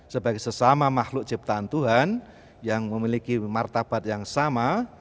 sebagai sesama makhluk ciptaan tuhan yang memiliki martabat yang sama